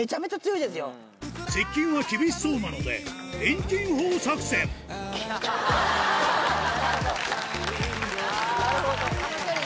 接近は厳しそうなので遠近法作戦なるほど。